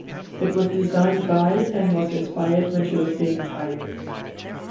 It was designed by and was inspired when she was being tired.